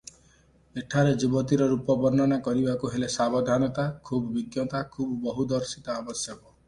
ଏଠାରେ ଯୁବତୀର ରୂପ ବର୍ଣ୍ଣନା କରିବାକୁ ହେଲେ ସାବଧାନତା, ଖୁବ୍ ବିଜ୍ଞତା, ଖୁବ୍ ବହୁଦର୍ଶିତା ଆବଶ୍ୟକ ।